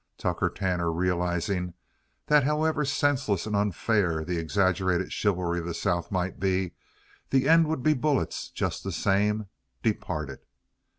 Tucker Tanner, realizing that however senseless and unfair the exaggerated chivalry of the South might be, the end would be bullets just the same, departed.